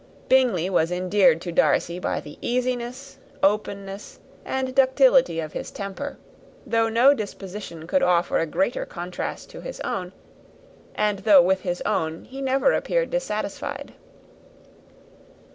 Bingley was endeared to Darcy by the easiness, openness, and ductility of his temper, though no disposition could offer a greater contrast to his own, and though with his own he never appeared dissatisfied.